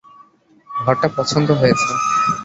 ঘরটা পছন্দ হয়েছে।